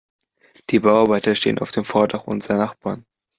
Die Bauarbeiter stehen auf dem Vordach unserer Nachbarn.